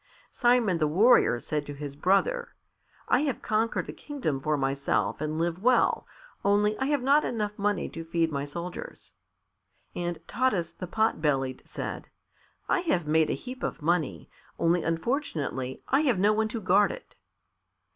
Simon the Warrior said to his brother, "I have conquered a kingdom for myself and live well, only I have not enough money to feed my soldiers." And Taras the Pot bellied said, "I have made a heap of money, only unfortunately I have no one to guard it."